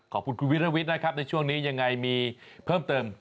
ขอบคุณคุณวิรวิทย์นะครับในช่วงนี้ยังไงมีเพิ่มเติม